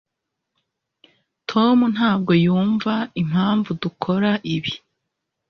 tom ntabwo yumva impamvu dukora ibi